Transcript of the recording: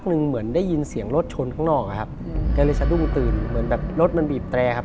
แกเลยสะดุ้งตื่นเหมือนแบบรถมันบีบแปรครับ